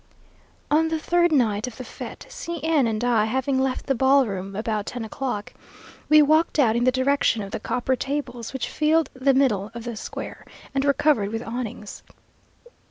On the third night of the fête, C n and I having left the ball room, about ten o'clock, walked out in the direction of the copper tables which filled the middle of the square, and were covered with awnings.